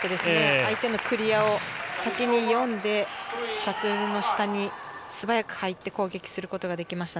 相手のクリアを先に読んでシャトルの下に素早く入って攻撃するこ